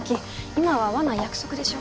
今は会わない約束でしょ。